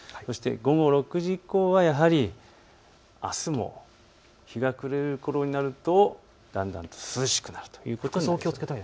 午後６時以降はやはりあすも日が暮れるころになるとだんだんと涼しくなるということです。